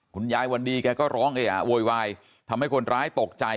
คุณยายวันดีแกก็ร้องเออะโวยวายทำให้คนร้ายตกใจ